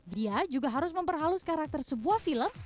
dia juga harus memperhalus karakter sebuah film